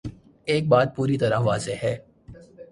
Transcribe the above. ایک بات پوری طرح واضح ہے۔